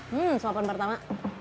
hmm sopan pertama